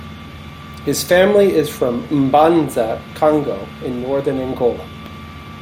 His family is from M'banza-Kongo in northern Angola.